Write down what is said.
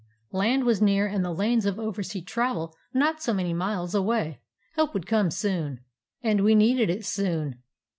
Land was near and the lanes of oversea travel not many miles away. Help would come soon. "And we needed it soon.